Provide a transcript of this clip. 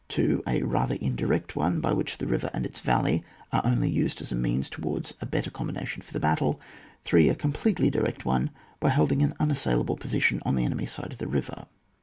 2. A rather indirect one, by which the river and its valley are only used as a means towards a better combination for the battle. 3. A completely direct one, by holding an unassailable position on the enemy's side of the river.